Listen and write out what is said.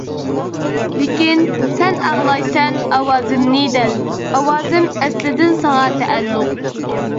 لېكىن سەن ئاڭلايسەن ئاۋازىمنى دەل، ئاۋازىم ئەسلىدىن ساڭا تەئەللۇق.